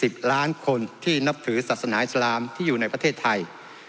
ล้านคนที่นับถือศาสนาอิสลามที่อยู่ในประเทศไทย